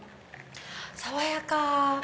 爽やか！